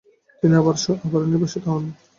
তিনি আবারও নির্বাসিত হন।